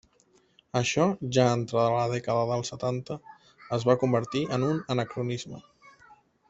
Això, ja entrada la dècada dels setanta, es va convertir en un anacronisme.